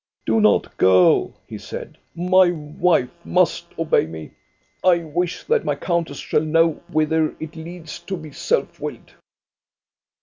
" Do not go," he said. My wife must obey me. I wish that my countess shall know whither it leads to be self willed."